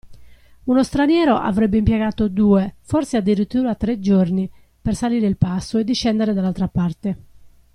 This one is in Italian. Uno straniero avrebbe impiegato due, forse addirittura tre, giorni per salire il passo e discendere dall'altra parte.